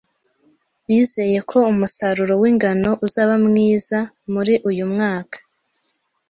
Bizeye ko umusaruro w'ingano uzaba mwiza muri uyu mwaka